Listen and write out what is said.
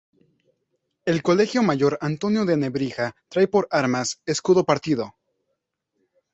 El Colegio Mayor Antonio de Nebrija trae por armas: Escudo partido.